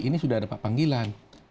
ini sudah ada pak panggilan